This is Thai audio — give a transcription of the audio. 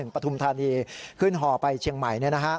ปฐุมธานีขึ้นห่อไปเชียงใหม่